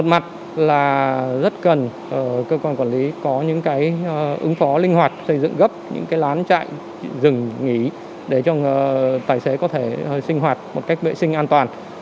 mặt là rất cần cơ quan quản lý có những cái ứng phó linh hoạt xây dựng gấp những cái lán chạy rừng nghỉ để cho tài xế có thể sinh hoạt một cách vệ sinh an toàn